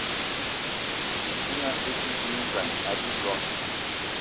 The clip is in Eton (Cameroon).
Ìsínga í te dínzan á bíloig